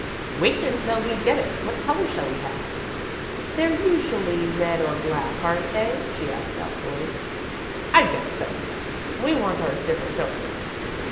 "Wait until we get it. What colour shall we have?" "They're usually red or black, aren't they?" she asked, doubtfully. "I guess so. We want ours different, don't we?"